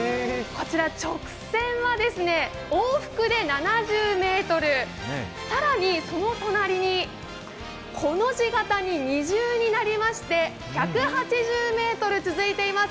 直線は往復で７０ｍ更にその隣にコの字型に二重になりまして１８０ｍ続いています。